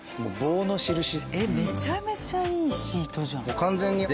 めちゃめちゃいいシートじゃん。